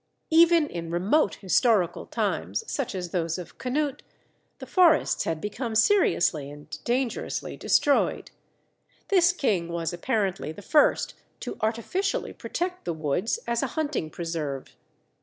Even in remote historical times, such as those of Canute, the forests had become seriously and dangerously destroyed. This king was apparently the first to artificially protect the woods as a hunting preserve.